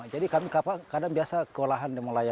jadi kami kadang kadang biasa